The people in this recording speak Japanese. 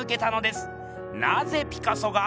なぜピカソが。